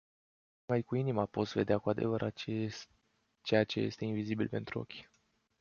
Numai cu inima poți vedea cu adevărat ceea ce este invizibil pentru ochi.